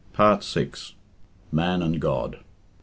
PART VI. MAN AND GOD.